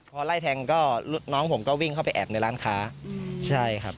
ก็เลยต้องถอยไปก่อนครับ